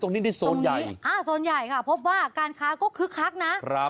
ตรงนี้นี่โซนใหญ่อ่าโซนใหญ่ค่ะพบว่าการค้าก็คึกคักนะครับ